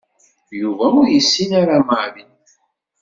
Yuba ur yessin ara Mary.